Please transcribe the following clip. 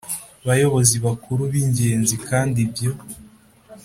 Bayobozi bakuru b ingenzi kandi ibyo